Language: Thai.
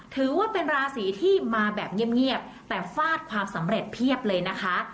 ถือว่าเป็นราศีที่มาแบบเงียบแต่ฟาดความสำเร็จเพียบเลยนะคะ